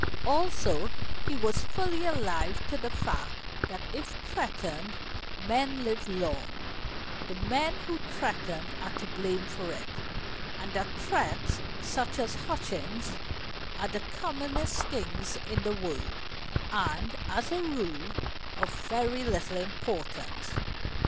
Also, he was fully alive to the fact that if threatened men live long, the men who threaten are to blame for it, and that threats such as Hutchings' are the commonest things in the world, and, as a rule, of very little importance.